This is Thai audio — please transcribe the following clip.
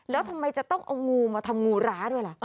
แล้วทำไมจะต้องเอางูมาทำงูร้าด้วยล่ะ